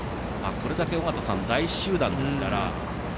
これだけ大集団ですから。